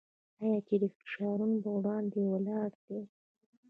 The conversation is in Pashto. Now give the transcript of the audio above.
آیا چې د فشارونو پر وړاندې ولاړ دی؟